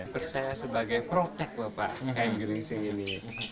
percaya sebagai protek bapak kain geringsing ini